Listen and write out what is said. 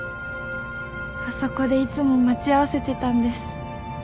あそこでいつも待ち合わせてたんです。